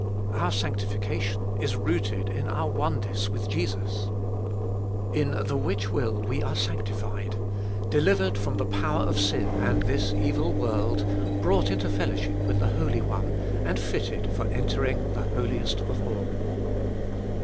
Our sanctification is rooted in our oneness with Jesus. In the which will we are sanctified, delivered from the power of sin and this evil world, brought into fellowship with the Holy One, and fitted for entering the Holiest of All.